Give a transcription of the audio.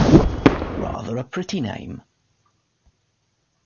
Rather a pretty name.